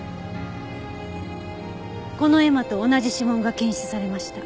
この絵馬と同じ指紋が検出されました。